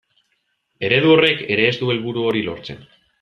Eredu horrek ere ez du helburu hori lortzen.